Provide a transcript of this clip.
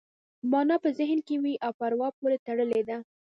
مانا په ذهن کې وي او په اروا پورې تړلې ده